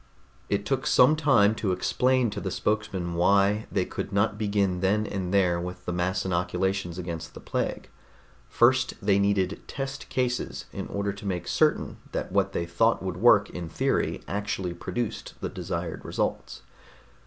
It took some time to explain to the spokesman why they could not begin then and there with the mass inoculations against the plague. First, they needed test cases, in order to make certain that what they thought would work in theory actually produced the desired results.